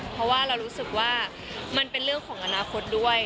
เพราะว่าเรารู้สึกว่ามันเป็นเรื่องของอนาคตด้วย